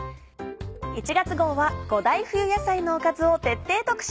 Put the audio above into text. １月号は５大冬野菜のおかずを徹底特集。